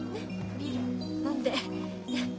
ビール飲んで。